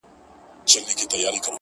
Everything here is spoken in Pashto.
• خداى دي زما د ژوندون ساز جوړ كه ـ